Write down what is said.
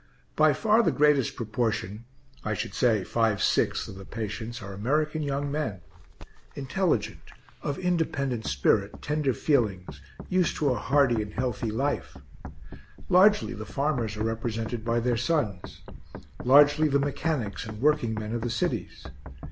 By far the greatest proportion (I should say five sixths) of the patients are American young men, intelligent, of independent spirit, tender feelings, used to a hardy and healthy life; largely the farmers are represented by their sons largely the mechanics and workingmen of the cities.